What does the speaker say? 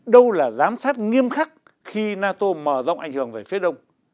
đâu là giám sát nghiêm khắc khi nato mở rộng ảnh hưởng về phía đông